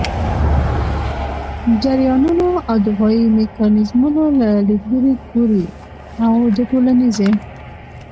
جریانونو او دفاعي میکانیزمونو له لیدلوري ګوري او د ټولنيزې